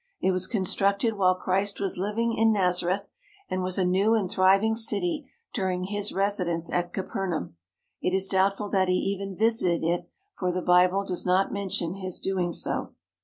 It was constructed while Christ was living in Nazereth, and was a new and thriving city dur ing His residence at Capernaum. It is doubtful that He even visited it, for the Bible does not mention His doing so.